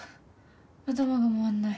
頭が回らない。